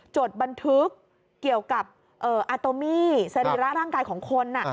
จดบันทึกเกี่ยวกับอาโตมี่สรีระร่างกายของคน